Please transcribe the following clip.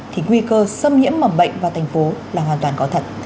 thì nguy cơ xâm nhiễm mầm bệnh vào thành phố là hoàn toàn có thật